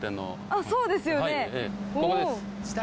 あっそうですよね。